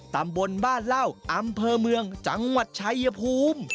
ตำบลบ้านเหล้าอำเภอเมืองจังหวัดชายภูมิ